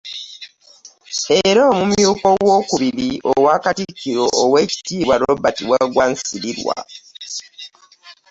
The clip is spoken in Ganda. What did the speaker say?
Era omumyuka owookubiri owa Katikkiro, Oweekitiibwa Robert Waggwa Nsibirwa